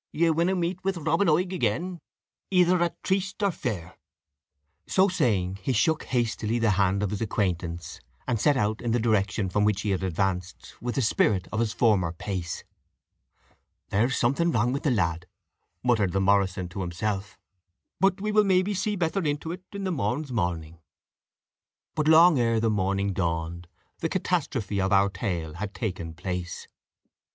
Ye winna meet with Robin Oig again, either at tryste or fair." So saying, he shook hastily the hand of his acquaintance, and set out in the direction from which he had advanced, with the spirit of his former pace. "There is something wrang with the lad," muttered the Morrison to himself; "but we will maybe see better into it the morn's morning." But long ere the morning dawned, the catastrophe of our tale had taken place.